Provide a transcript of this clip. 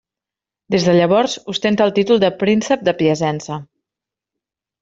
Des de llavors ostenta el títol de Príncep de Piacenza.